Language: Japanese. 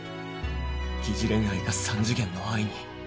疑似恋愛が三次元の愛に